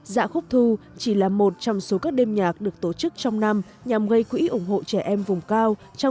dạ khúc thu chỉ là một trong số các đêm nhạc được tổ chức trong năm nhằm gây quỹ ủng hộ trẻ em vùng cao trong